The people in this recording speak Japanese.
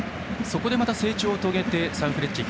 そこでまた成長を遂げてサンフレッチェ